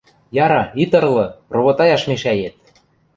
— Яра, ит ырлы, ровотаяш мешӓет!